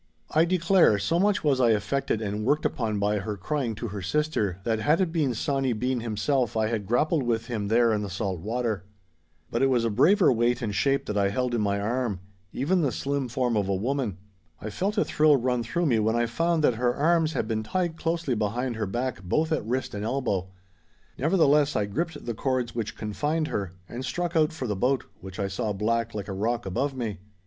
I declare, so much was I affected and worked upon by her crying to her sister, that had it been Sawny Bean himself I had grappled with him there in the salt water. But it was a braver weight and shape that I held in my arm—even the slim form of a woman. I felt a thrill run through me when I found that her arms had been tied closely behind her back both at wrist and elbow. Nevertheless, I gripped the cords which confined her, and struck out for the boat, which I saw black like a rock above me.